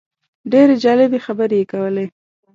ډېرې جالبې خبرې یې کولې.